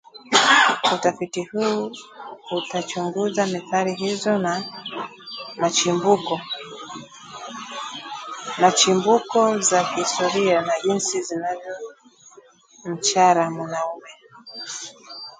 Utafiti huu utachunguza methali zilizo na chimbuko za kihistoria na jinsi zinavyomchora mwanamume